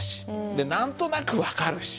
で何となく分かるし。